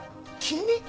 君！